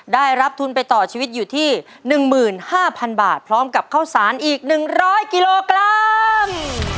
ได้รับทุนไปต่อชีวิตอยู่ที่๑๕๐๐๐บาทพร้อมกับข้าวสารอีก๑๐๐กิโลกรัม